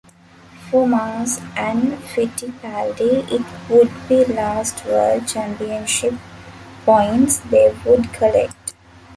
For Mass and Fittipaldi it would be last world championship points they would collect.